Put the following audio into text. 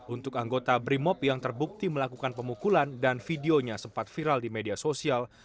untuk anggota brimob yang terbukti melakukan pemukulan dan videonya sempat viral di media sosial